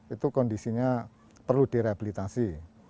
itu kondisinya perlu direhabilitasi